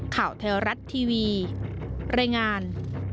ข่าวไทยรัฐทีวีรายงาน